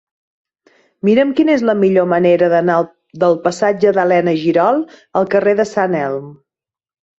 Mira'm quina és la millor manera d'anar del passatge d'Elena Girol al carrer de Sant Elm.